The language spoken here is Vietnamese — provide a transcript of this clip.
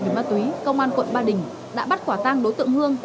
về ma túy công an quận ba đình đã bắt quả tang đối tượng hương